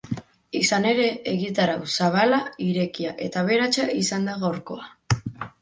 Izan ere, egitarau zabala, irekia eta aberatsa izan da gaurkoa.